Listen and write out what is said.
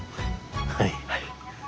はい。